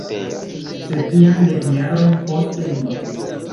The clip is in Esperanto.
Sed jam dek jarojn poste li mortis.